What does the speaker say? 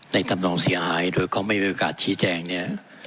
ทำนองเสียหายโดยเขาไม่มีโอกาสชี้แจงเนี่ย